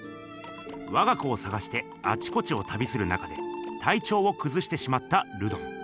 わが子を探してあちこちをたびする中でたいちょうをくずしてしまったルドン。